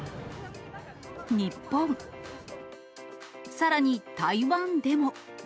日本、さらに台湾でも。